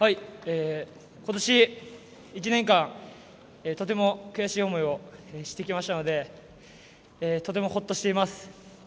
今年１年間とても悔しい思いをしてきましたのでとてもほっとしています。